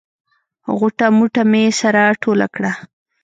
غوټه موټه مې سره ټوله کړه.